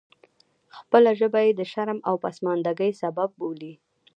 خپله ژبه یې د شرم او پسماندګۍ سبب بولي.